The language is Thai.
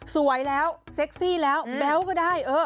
สวยแล้วเซ็กซี่แล้วแบ๊วก็ได้